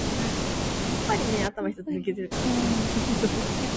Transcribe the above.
茲鑒於人類一家